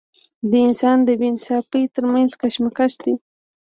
د انسان د بې انصافۍ تر منځ کشمکش دی.